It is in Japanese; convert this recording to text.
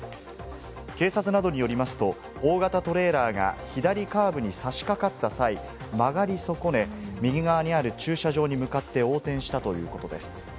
警察などによりますと、大型トレーラーが左カーブに差し掛かった際、曲がり損ね、右側にある駐車場に向かって横転したということです。